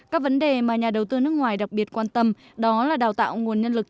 các vấn đề mà nhà đầu tư nước ngoài đặc biệt quan tâm đó là đào tạo nguồn nhân lực